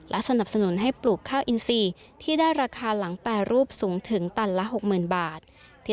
สนับสนุนให้ปลูกข้าวอินซีที่ได้ราคาหลังแปรรูปสูงถึงตันละ๖๐๐๐บาท